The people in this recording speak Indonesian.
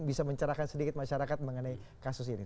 bisa mencerahkan sedikit masyarakat mengenai kasus ini